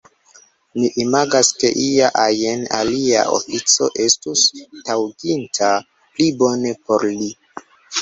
Mi imagas, ke ia ajn alia ofico estus taŭginta pli bone por li.